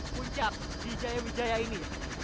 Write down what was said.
puncak di jaya wijaya ini